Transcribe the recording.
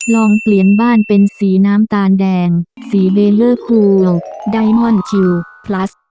ลองเปลี่ยนบ้านเป็นสีน้ำตาลแดงสีเบลเลอร์คูลไดมอนดคิวพลัส